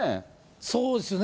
そうですね。